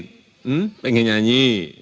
hmm pengen nyanyi